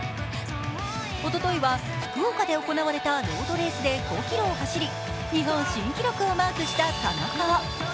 おとといは福岡で行われたロードレースで５ｋｍを走り日本新記録をマークした田中。